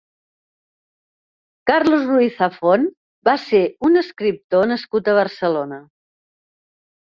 Carlos Ruiz Zafón va ser un escriptor nascut a Barcelona.